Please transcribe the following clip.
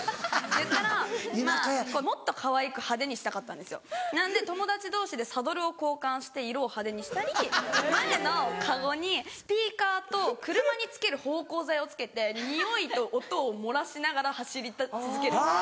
いったらまぁもっとかわいく派手にしたかったんですよなので友達同士でサドルを交換して色を派手にしたり前のカゴにスピーカーと車につける芳香剤をつけて匂いと音を漏らしながら走り続けるみたいな。